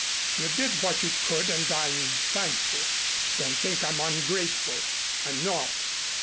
You did what you could and I'm thankful. Don't think I'm ungrateful. I'm not.